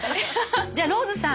じゃあローズさん。